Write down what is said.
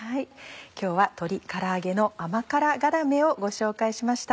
今日は「鶏から揚げの甘辛がらめ」をご紹介しました。